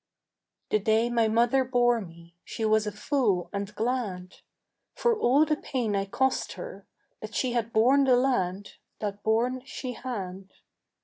The day my mother bore me She was a fool and glad, For all the pain I cost her, That she had borne the lad That borne she had.